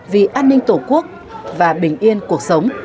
vì an ninh tổ quốc và bình yên cuộc sống